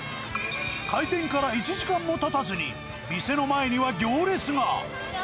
開店から１時間もたたずに、店の前には行列が。